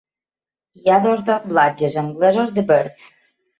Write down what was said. Hi ha dos doblatges anglesos de "Birth".